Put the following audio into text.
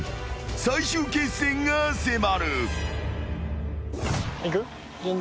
［最終決戦が迫る］